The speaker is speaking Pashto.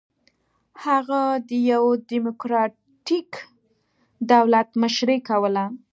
هغه د یوه ډیموکراټیک دولت مشري کوله.